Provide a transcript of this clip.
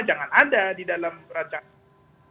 jangan ada di dalam rancangan